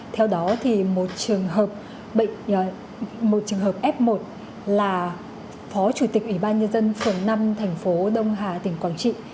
theo đó thì một trường hợp f một là phó chủ tịch ủy ban nhân dân phường năm thành phố đông hà tỉnh quảng trị